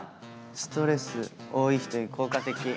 ストレス多い人に効果的。